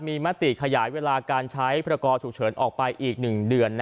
มีมติขยายเวลาการใช้ประกอบฉุกเฉินออกไปอีก๑เดือน